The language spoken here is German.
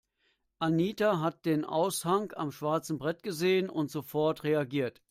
Anita hat den Aushang am schwarzen Brett gesehen und sofort reagiert.